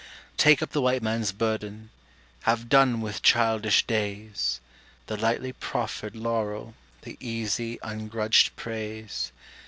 Take up the White Man's burden Have done with childish days The lightly proffered laurel The easy, ungrudged praise.